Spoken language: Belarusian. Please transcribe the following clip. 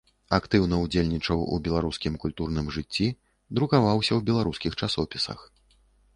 Актыўна ўдзельнічаў у беларускім культурным жыцці, друкаваўся ў беларускіх часопісах.